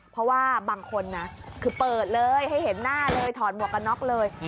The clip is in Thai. เพราะว่าบางคนนะคือเปิดเลยให้เห็นหน้าเลยถอดหมวกกันน็อกเลย